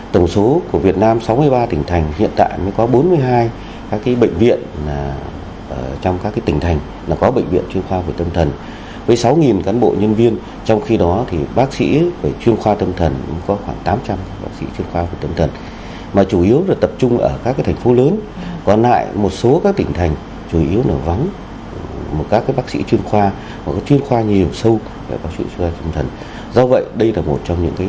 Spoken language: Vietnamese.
tổng số của việt nam sáu mươi ba tỉnh thành hiện tại mới có bốn mươi hai các bệnh viện trong các tỉnh thành là có bệnh viện chuyên khoa về tâm thần